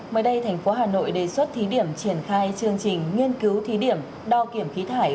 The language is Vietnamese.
mới đây thành phố hà nội đề xuất thí điểm triển khai chương trình nghiên cứu thí điểm đo kiểm khí thải